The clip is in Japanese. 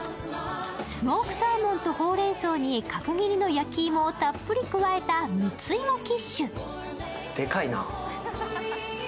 スモークサーモンとほうれんそうに角切りの焼き芋をたっぷり加えた蜜芋キッシュ。